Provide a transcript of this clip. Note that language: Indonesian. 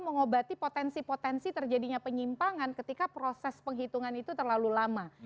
mengobati potensi potensi terjadinya penyimpangan ketika proses penghitungan itu terlalu lama